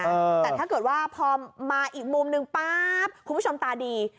แต่ถ้าเกิดว่าพอมาอีกมุมหนึ่งป๊าบคุณผู้ชมตาดี